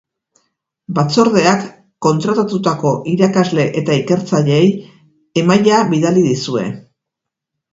Batzordeak kontratatutako irakasle eta ikertzaileei emaila bidali dizue.